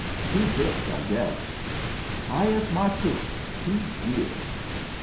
Two bits, I guess." "Hyas markook. Too dear!"